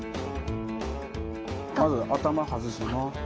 まず頭外します。